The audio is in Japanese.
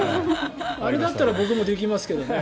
あれだったら僕もできますけどね。